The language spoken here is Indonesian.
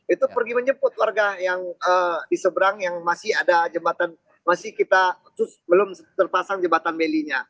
itu pergi menjemput warga yang diseberang yang masih ada jembatan masih kita belum terpasang jembatan belinya